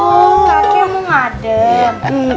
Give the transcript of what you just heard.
oh kakek mau ngadem